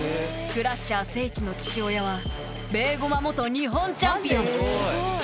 クラッシャーせいちの父親はベーゴマ元日本チャンピオン！